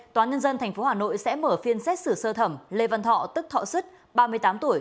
tòa nhân dân tp hà nội sẽ mở phiên xét xử sơ thẩm lê văn thọ tức thọ sứt ba mươi tám tuổi